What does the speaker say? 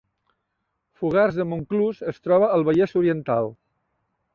Fogars de Montclús es troba al Vallès Oriental